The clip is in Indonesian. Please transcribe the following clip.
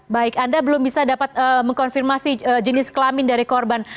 baik anda belum bisa dapat mengkonfirmasi jenis kelamin dari korban